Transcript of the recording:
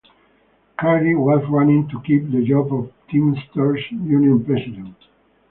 Carey was running to keep the job of Teamsters union president.